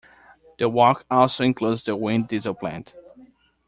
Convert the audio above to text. The walk also includes the wind-diesel plant.